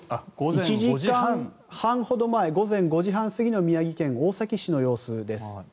１時間半ほど前午前５時半過ぎの宮城県大崎市の様子です。